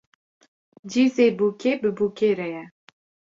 Cîzê bûkê bi bûkê re ye